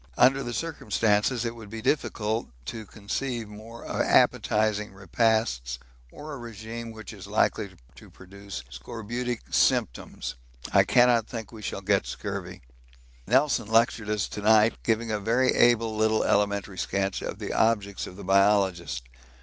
Under the circumstances it would be difficult to conceive more appetising repasts or a regime which is likely to produce scorbutic symptoms. I cannot think we shall get scurvy. Nelson lectured to us to night, giving a very able little elementary sketch of the objects of the biologist.